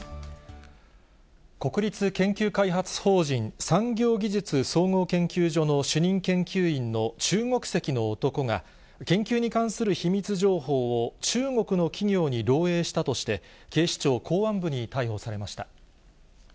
国立研究開発法人産業技術総合研究所の主任研究員の中国籍の男が、研究に関する秘密情報を中国の企業に漏えいしたとして、警視庁公安部に逮捕されました。